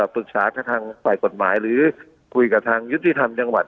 ปรึกษากับทางฝ่ายกฎหมายหรือคุยกับทางยุติธรรมจังหวัด